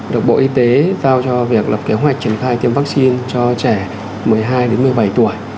được bộ y tế giao cho việc lập kế hoạch triển khai tiêm vaccine cho trẻ một mươi hai một mươi bảy tuổi